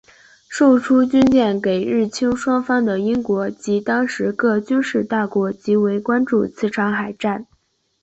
售出军舰给日清双方的英国及当时各军事大国极为关注此场海战。